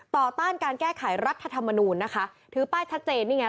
ต้านการแก้ไขรัฐธรรมนูลนะคะถือป้ายชัดเจนนี่ไง